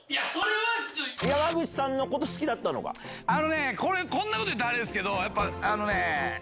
ニトリこんなこと言ったらあれですけどあのね。